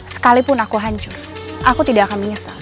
sekalipun aku hancur aku tidak akan menyesal